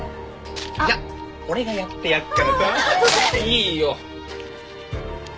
じゃ俺がやってやっからさ。いいよ！